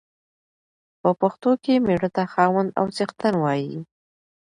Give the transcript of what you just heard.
په پښتو کې مېړه ته خاوند او څښتن وايي.